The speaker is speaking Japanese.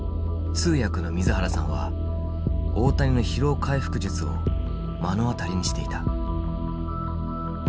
通訳の水原さんは大谷の疲労回復術を目の当たりにしていた。